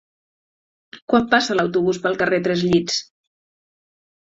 Quan passa l'autobús pel carrer Tres Llits?